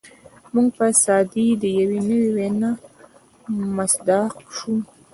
موږ به د سعدي د یوې وینا مصداق شو.